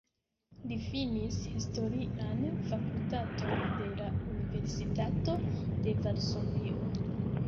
Li finis Historian Fakultaton de la Universitato de Varsovio.